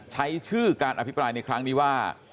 ใช้ชื่อการอภิปรายในครั้งนี้ว่า